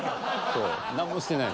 ［そう何もしてない］